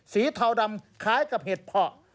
เทาดำคล้ายกับเห็ดเพาะ